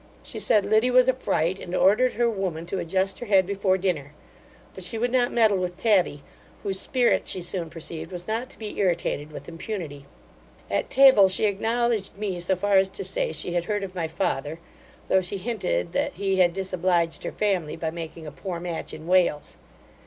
She said Liddy was a fright, and ordered her woman to adjust her head before dinner; but she would not meddle with Tabby, whose spirit, she soon perceived, was not to be irritated with impunity. At table, she acknowledged me so far as to say she had heard of my father; though she hinted, that he had disobliged her family by making a poor match in Wales.